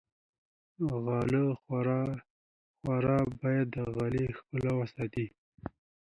غاله خواره باید د غالۍ ښکلا وساتي.